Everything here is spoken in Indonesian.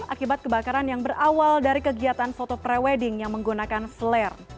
akibat kebakaran yang berawal dari kegiatan foto pre wedding yang menggunakan flare